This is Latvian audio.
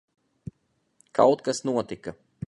Kaut kas notika.